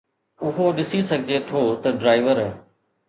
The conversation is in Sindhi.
اهو ڏسي سگهجي ٿو ته ڊرائيور